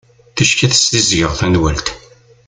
Ticki ad ssizdgeɣ tanwalt.